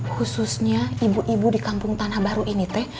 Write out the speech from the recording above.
khususnya ibu ibu di kampung tanah baru ini teh